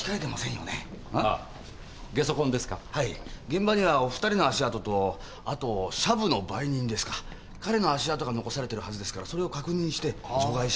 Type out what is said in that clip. はい現場にはおふたりの足跡とシャブの売人ですか彼の足跡が残されてるはずですから確認して除外します。